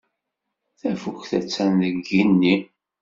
Tafukt attan deg yigenni.